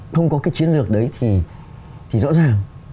không có cái chiến lược đấy thì rõ ràng